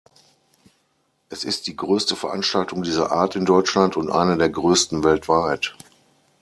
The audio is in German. Es ist die größte Veranstaltung dieser Art in Deutschland und eine der größten weltweit.